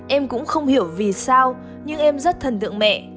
em cũng không hiểu vì sao nhưng em rất thần tượng mẹ